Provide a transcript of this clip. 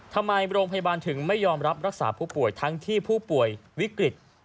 ทำไมโรงพยาบาลถึงไม่ยอมรับรักษาผู้ป่วยทั้งที่ผู้ป่วยวิกฤต